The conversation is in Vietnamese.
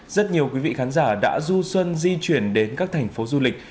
rất nhiều quý vị khán giả đã du xuân di chuyển đến các thành phố du lịch